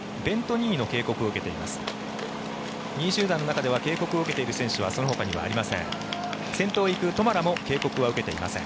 ２位集団の中では警告を受けている選手はそのほかにはありません。